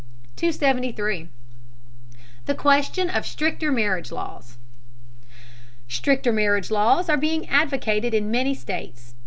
273. THE QUESTION OF STRICTER MARRIAGE LAWS. Stricter marriage laws are being advocated in many states.